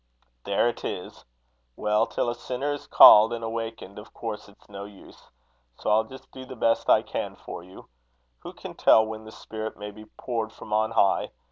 "There it is! Well, till a sinner is called and awakened, of course it's no use. So I'll just do the best I can for you. Who can tell when the Spirit may be poured from on high?